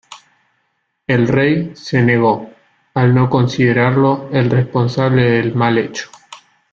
El rey se negó, al no considerarlo el responsable del mal hecho.